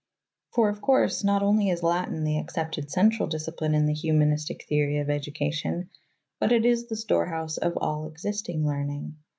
" For, of course, not only is Latin the accepted central discipline in the Humanistic theory of education, but it is the store house of all existing learning.